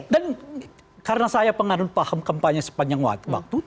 dan karena saya penganut paham kampanye sepanjang waktu